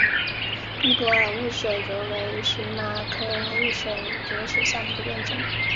尼泊尔雾水葛为荨麻科雾水葛属下的一个变种。